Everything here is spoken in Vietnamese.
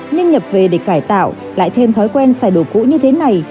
nhưng nhập về để cải tạo lại thêm thói quen xài đồ cũ như thế này